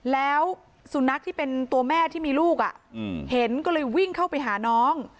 แล้วสุนัขที่เป็นตัวแม่ที่มีลูกเห็นก็เลยวิ่งเข้าไปหาน้อง